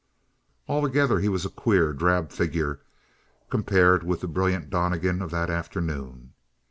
Altogether he was a queer, drab figure compared with the brilliant Donnegan of that afternoon.